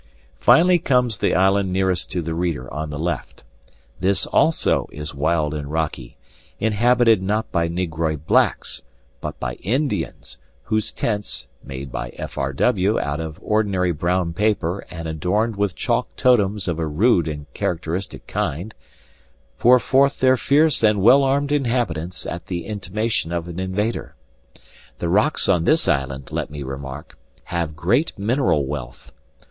Finally comes the island nearest to the reader on the left. This also is wild and rocky, inhabited not by negroid blacks, but by Indians, whose tents, made by F. R. W. out of ordinary brown paper and adorned with chalk totems of a rude and characteristic kind, pour forth their fierce and well armed inhabitants at the intimation of an invader. The rocks on this island, let me remark, have great mineral wealth.